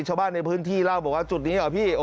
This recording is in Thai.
ชาวบ้านในพื้นที่เล่าบอกว่าจุดนี้เหรอพี่